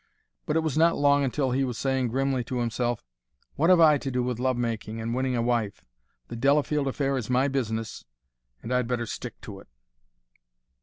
But it was not long until he was saying grimly to himself, "What have I to do with love making and winning a wife? The Delafield affair is my business, and I'd better stick to it."